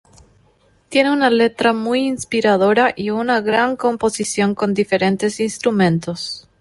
Tiene una letra muy inspiradora y una gran composición con diferentes instrumentos.